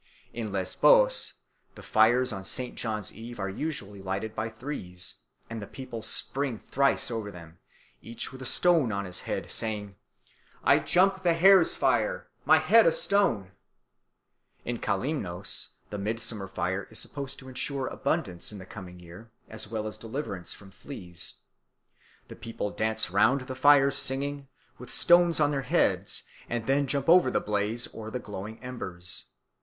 In Lesbos the fires on St. John's Eve are usually lighted by threes, and the people spring thrice over them, each with a stone on his head, saying, "I jump the hare's fire, my head a stone!" In Calymnos the midsummer fire is supposed to ensure abundance in the coming year as well as deliverance from fleas. The people dance round the fires singing, with stones on their heads, and then jump over the blaze or the glowing embers.